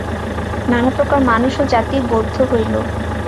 নানাপ্রকার মানুষ ও জাতি বৌদ্ধ হইল।